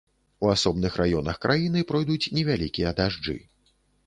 У асобных раёнах краіны пройдуць невялікія дажджы.